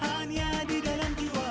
hanya di dalam jiwa